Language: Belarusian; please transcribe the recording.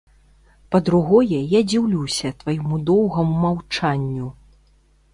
Па-другое, я дзіўлюся твайму доўгаму маўчанню.